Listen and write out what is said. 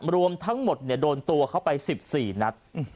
รวมทั้งหมดโดนตัวเข้าไป๑๔นัด